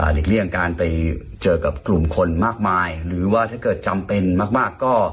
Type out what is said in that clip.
เลี่ยงการไปเจอกับกลุ่มคนมากมายหรือว่าถ้าเกิดจำเป็นมากก็